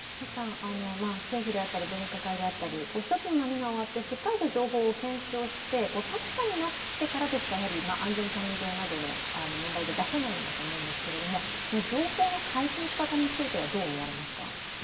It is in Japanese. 政府であったり分科会であったり１つの波が終わってしっかりと情報を検証して確かになってからでしか安全管理上などの問題で出せないと思うんですが、情報の開示のしかたについてはどう思われますか。